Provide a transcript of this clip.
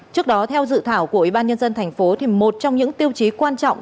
trước đó theo dự thảo của ủy ban nhân dân tp hcm thì một trong những tiêu chí quan trọng